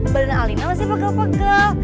badan alina masih pegel pegel